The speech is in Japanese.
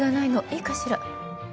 いいかしら？